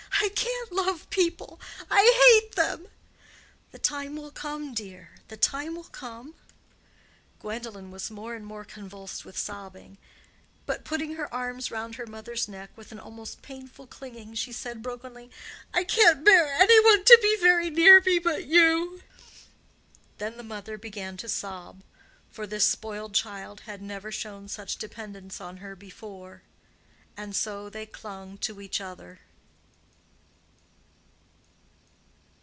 I can't love people. I hate them." "The time will come, dear, the time will come." Gwendolen was more and more convulsed with sobbing; but putting her arms round her mother's neck with an almost painful clinging, she said brokenly, "I can't bear any one to be very near me but you." Then the mother began to sob, for this spoiled child had never shown such dependence on her before: and so they clung to each other.